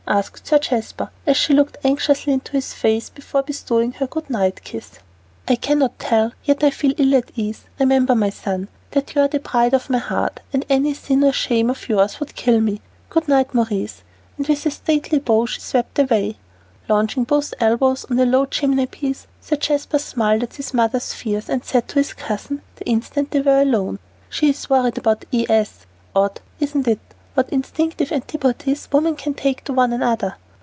asked Sir Jasper, as she looked anxiously into his face before bestowing her good night kiss. "I cannot tell, yet I feel ill at ease. Remember, my son, that you are the pride of my heart, and any sin or shame of yours would kill me. Good night, Maurice." And with a stately bow she swept away. Lounging with both elbows on the low chimneypiece, Sir Jasper smiled at his mother's fears, and said to his cousin, the instant they were alone, "She is worried about E.S. Odd, isn't it, what instinctive antipathies women take to one another?"